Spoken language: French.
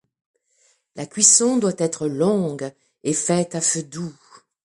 La cuisson doit être longue et faite à feu doux.